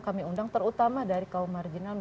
kami undang terutama dari kaum marginal